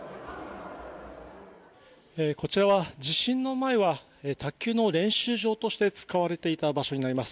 こちらは地震の前は卓球の練習場として使われていた場所になります。